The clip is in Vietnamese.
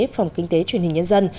phòng kinh tế truyền hình nhân dân